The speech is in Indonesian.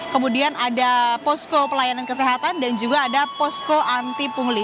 kemudian ada posko pelayanan kesehatan dan juga ada posko anti pungli